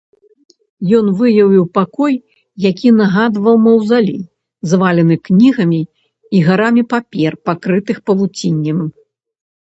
Ён выявіў пакой, які нагадваў маўзалей, завалены кнігамі і гарамі папер, пакрытых павуціннем.